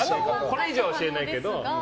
これ以上は教えないけど。